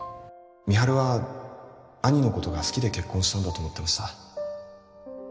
美晴は兄のことが好きで結婚したんだと思ってました